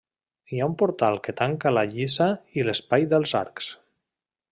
Hi ha un portal que tanca la lliça i l'espai dels arcs.